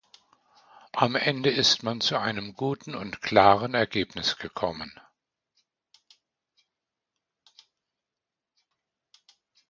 Am Ende ist man zu einem guten und klaren Ergebnis gekommen.